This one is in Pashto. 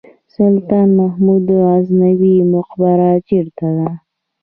سلطان محمود غزنوي مقبره چیرته ده؟